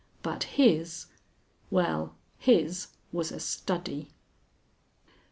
But his well, his was a study.